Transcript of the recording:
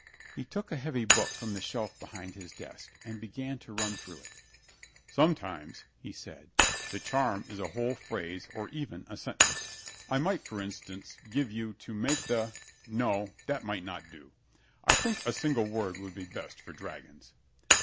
He took a heavy book from the shelf behind his desk and began to run through it. "Sometimes," he said, "the charm is a whole phrase or even a sentence. I might, for instance, give you 'To make the' No, that might not do. I think a single word would be best for dragons."